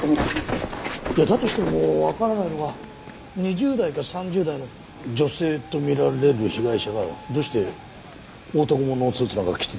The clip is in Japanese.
いやだとしてもわからないのは２０代か３０代の女性と見られる被害者がどうして男物のスーツなんか着てたんでしょうね？